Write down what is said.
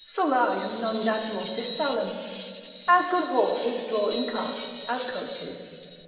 Solarium non dat multis salem. As good horses draw in carts, as coaches.